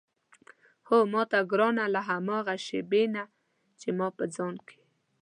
هو ماته ګرانه له هماغه شېبې نه چې ما په ځان کې.